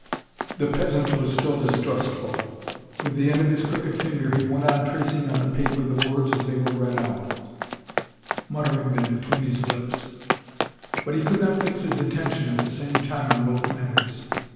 The peasant was still distrustful. With the end of his crooked finger he went on tracing on the paper the words as they were read out, muttering them between his lips; but he could not fix his attention at the same time on both matters.